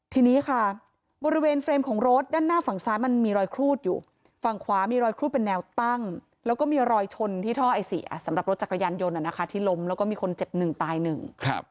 ทีนี้ค่ะบริเวณเฟรมของรถด้านหน้าฝั่งซ้ายมันมีรอยครูดอยู่ฝั่งขวามีรอยครูดเป็นแนวตั้งแล้วก็มีรอยชนที่ท่อไอเสียสำหรับรถจักรยานยนต์ที่ล้มแล้วก็มีคนเจ็บหนึ่งตายหนึ่ง